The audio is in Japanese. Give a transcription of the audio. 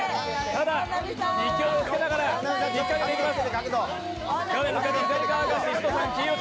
ただ、勢いをつけながら引っかけていきます。